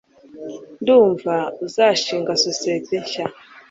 Ndumva uzashinga sosiyete nshya